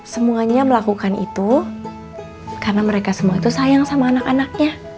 semuanya melakukan itu karena mereka semua itu sayang sama anak anaknya